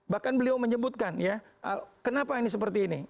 bahkan beliau menyebutkan ya kenapa ini seperti ini